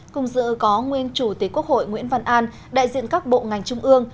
cùng dự có nguyên chủ tịch quốc hội nguyễn văn an đại diện các bộ ngành trung ương